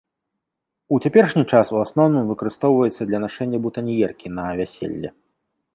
У цяперашні час, у асноўным, выкарыстоўваецца для нашэння бутаньеркі на вяселлі.